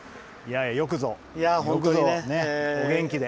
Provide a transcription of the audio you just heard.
よくぞ、お元気で。